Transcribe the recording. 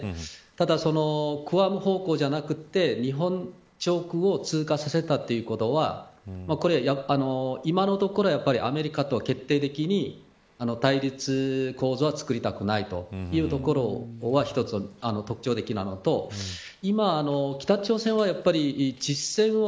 ただ、グアム方向ではなくて日本上空を通過させたということはこれは今のところやっぱりアメリカと決定的に対立構図は作りたくないというところは一つ、特徴的なのと今、北朝鮮はやっぱり実戦を。